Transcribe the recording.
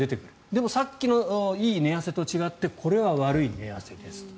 でも、さっきのいい寝汗と違ってこれは悪い寝汗ですと。